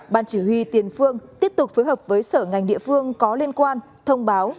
ban chỉ huy tiền phương tiếp tục phối hợp với sở ngành địa phương có liên quan thông báo